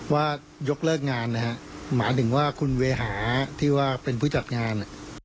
ว่ายกเลิกงานนะฮะหมายถึงว่าคุณเวหาที่ว่าเป็นผู้จัดงาน